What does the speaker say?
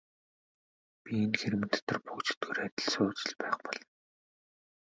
Би энэ хэрмэн дотор буг чөтгөр адил сууж л байх болно.